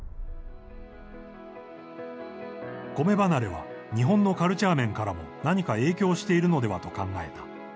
米離れは、日本のカルチャー面からも、何か影響しているのではと考えた。